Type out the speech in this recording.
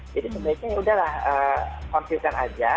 jadi sebaiknya ya udahlah konsisten aja